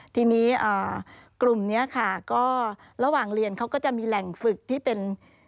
ทีนี้กลุ่มนี้ค่ะก็ระหว่างเรียนเขาก็จะมีแหล่งฝึกที่เป็น